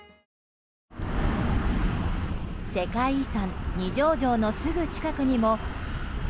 世界遺産二条城のすぐ近くにも。